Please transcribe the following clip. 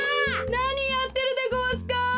なにやってるでごわすか？